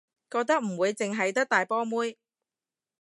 覺得唔會淨係得大波妹